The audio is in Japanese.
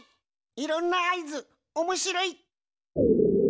いろんなあいずおもしろい！